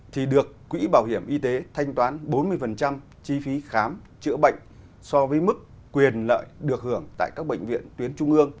thì được quỹ bảo hiểm y tế thanh toán bốn mươi chi phí khám chữa bệnh so với mức quyền lợi được hưởng tại các bệnh viện tuyến trung ương